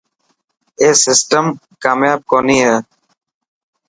اي سسٽم ڪامپاب ڪوني هي.